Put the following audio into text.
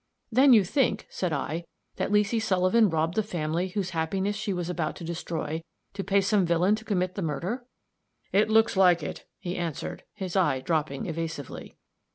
"Then you think," said I, "that Leesy Sullivan robbed the family whose happiness she was about to destroy, to pay some villain to commit the murder?" "It looks like it," he answered, his eye dropping evasively.